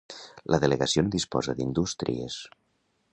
La delegació no disposa d'indústries.